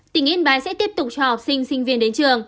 tỉnh yên bái sẽ tiếp tục cho học sinh sinh viên đến trường